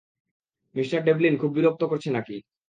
Mr Devlin খুব বিরক্ত করছে নাকি?